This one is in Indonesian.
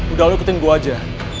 udah lo keting gue aja